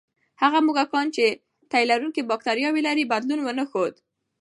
هغه موږکان چې د تیلرونکي بکتریاوې لري، بدلون ونه ښود.